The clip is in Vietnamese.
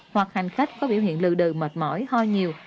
hoặc hành khách có biểu hiện lừ đừ mệt mỏi ho nhiều